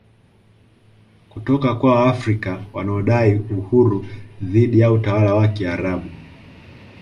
kutoka kwa Waafrika wanaodai uhuru dhidi ya utawala wa Kiarabu